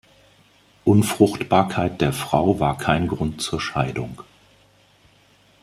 Unfruchtbarkeit der Frau war kein Grund zur Scheidung.